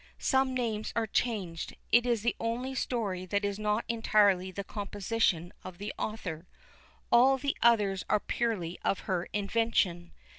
Some names are changed. It is the only story that is not entirely the composition of the author. _All the others are purely of her invention.